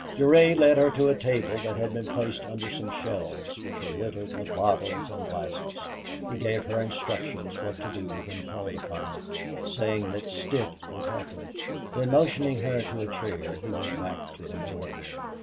Durade led her to a table that had been placed under some shelves which were littered with bottles and glasses. He gave her instructions what to do when called upon, saying that Stitt would help her; then motioning her to a chair, he went back to the men.